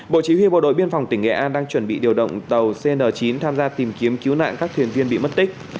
bộ chỉ huy bộ đội biên phòng tỉnh nghệ an đang chuẩn bị điều động tàu cn chín tham gia tìm kiếm cứu nạn các thuyền viên bị mất tích